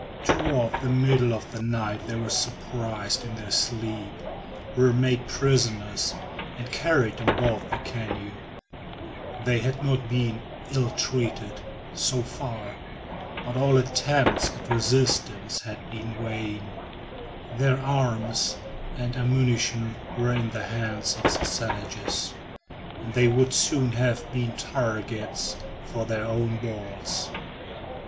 Toward the middle of the night they were surprised in their sleep, were made prisoners, and carried on board the canoe. They had not been ill treated, so far, but all attempts at resistance had been vain. Their arms and ammunition were in the hands of the savages, and they would soon have been targets for their own balls.